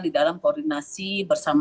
di dalam koordinasi smk